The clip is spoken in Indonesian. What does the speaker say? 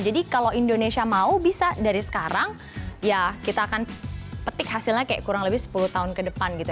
jadi kalau indonesia mau bisa dari sekarang ya kita akan petik hasilnya kayak kurang lebih sepuluh tahun ke depan gitu